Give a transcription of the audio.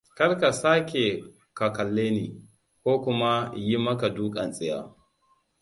Kar ka sake ka kalleni, ko kuma yi maka dukan tsiya.